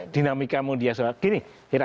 dinamika media sosial